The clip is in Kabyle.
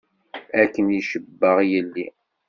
Akken i cebbaɣ yelli.